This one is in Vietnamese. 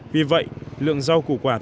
vì vậy lượng rau củ quả tăng